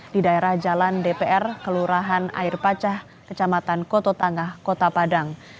di daerah jalan dpr kelurahan air pacah kecamatan koto tangah kota padang